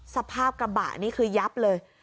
สภาพกระบะนี่คือยับเลย